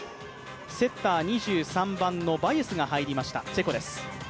セッター、２３番のバユスが入りましたチェコです。